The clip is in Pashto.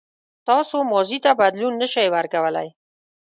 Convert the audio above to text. تاسو ماضي ته بدلون نه شئ ورکولای.